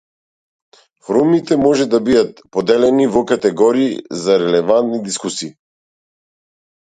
Форумите може да бидат поделени во категории за релевантни дискусии.